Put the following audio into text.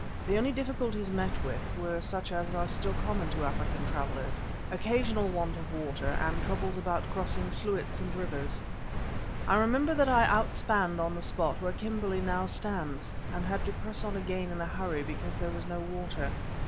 The only difficulties met with were such as are still common to African travellers—occasional want of water and troubles about crossing sluits and rivers. I remember that I outspanned on the spot where Kimberley now stands, and had to press on again in a hurry because there was no water.